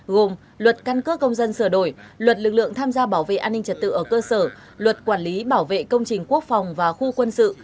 gồm luật căn cước công dân sửa đổi luật lực lượng tham gia bảo vệ an ninh trật tự ở cơ sở luật quản lý bảo vệ công trình quốc phòng và khu quân sự